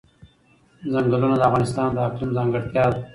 چنګلونه د افغانستان د اقلیم ځانګړتیا ده.